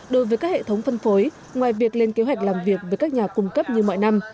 đối với các hệ thống phân phối ngoài việc lên kế hoạch làm việc với các nhà cung cấp như mọi năm